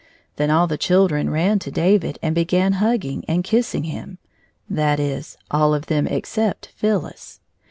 Then all the children ran to David and began hugging and kissing him — that is, all of them except Phyllis.